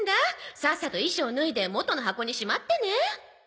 さっさと衣装を脱いで元の箱にしまってね。